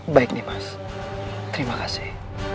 baik nih mas terima kasih